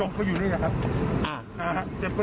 ตอนนี้ต่อคุยกันบ้างไหมครับ